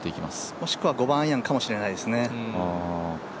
もしくは５番アイアンかもしれないですね。